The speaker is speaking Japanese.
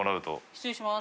失礼します。